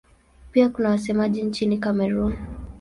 Pia kuna wasemaji nchini Kamerun.